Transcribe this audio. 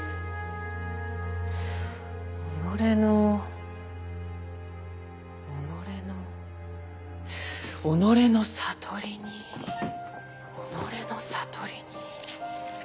己の己の己の悟りに己の悟りに。